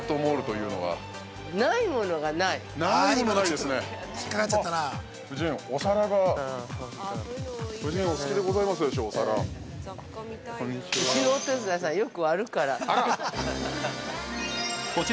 ◆うちのお手伝いさん、よく割るから。